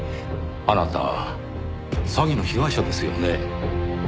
あなたは詐欺の被害者ですよね。